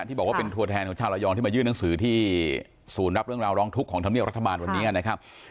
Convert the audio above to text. บอกว่าเป็นตัวแทนของชาวระยองที่มายื่นหนังสือที่ศูนย์รับเรื่องราวร้องทุกข์ของธรรมเนียบรัฐบาลวันนี้นะครับ